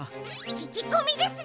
ききこみですね！